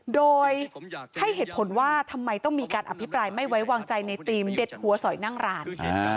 โดยให้เหตุผลว่าทำไมต้องมีการอภิปรายไม่ไว้วางใจในทีมเด็ดหัวสอยนั่งร้าน